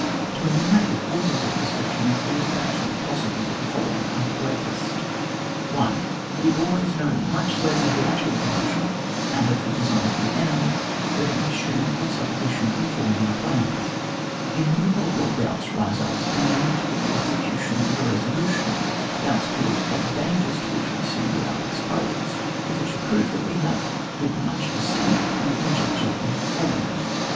To enumerate the causes of this fric tion in full is perhaps not possible, but the following are the greatest :— 1. We always know much less of the actual condition and of the designs of the enemy, than we assume on supposi tion in forming our plans ; innumerable doubts rise up at the moment of the execution of a resolution, doubts caused by the dangers to which we see we are exposed, if it should prove that we have been much deceived in the conjectures we have formed.